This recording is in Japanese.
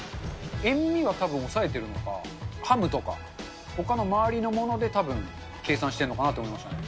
塩味はたぶん抑えてるのか、ハムとか、ほかの周りのものでたぶん計算してるのかなと思いましたね。